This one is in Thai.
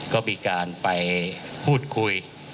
ก็มีการไปพูดคุย